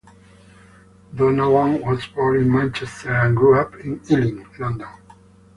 Donnellan was born in Manchester and grew up in Ealing, London.